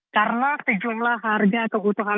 karena sejumlah harga kebutuhan